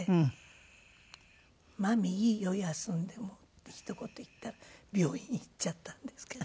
「マミーいいよ休んでも」ってひと言言ったら病院行っちゃったんですけど。